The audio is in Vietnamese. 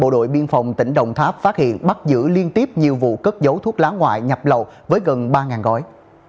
bộ đội biên phòng tỉnh đồng tháp phát hiện bắt giữ liên tiếp nhiều vụ cất giấu thuốc lá ngoại nhập lậu với gần ba gói